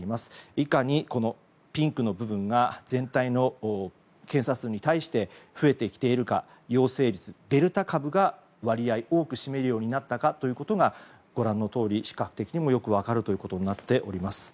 いかにこのピンクの部分が全体の検査数に対して増えてきているか陽性率、デルタ株が割合、多く占めるようになったかということがご覧のように視覚的にもよく分かるようになっています。